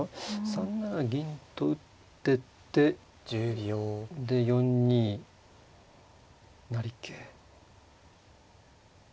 ３七銀と打ってってで４二成桂。